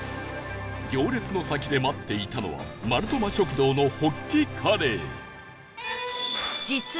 行列の先で待っていたのはマルトマ食堂のホッキカレー